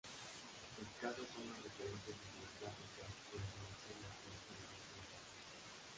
Escasas son las referencias bibliográficas en relación a este elemento defensivo.